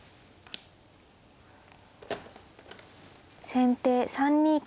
先手３二角。